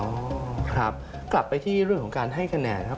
ครับกลับไปที่เรื่องของการให้คะแนนครับ